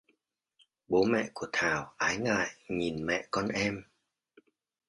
Bố mẹ của Thảo ái ngại nhìn mẹ con em